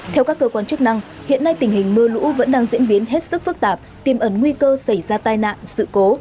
theo các cơ quan chức năng hiện nay tình hình mưa lũ vẫn đang diễn biến hết sức phức tạp tìm ẩn nguy cơ xảy ra tai nạn sự cố